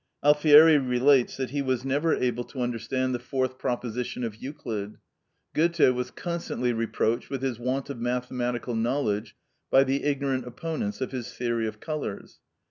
Alfieri relates that he was never able to understand the fourth proposition of Euclid. Goethe was constantly reproached with his want of mathematical knowledge by the ignorant opponents of his theory of colours.